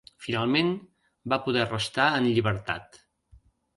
Finalment va poder restar en llibertat.